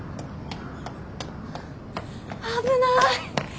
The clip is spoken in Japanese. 危ない。